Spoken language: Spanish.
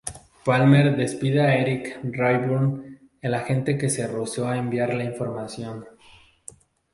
Palmer despide a Eric Rayburn, el agente que se rehusó a enviar la información.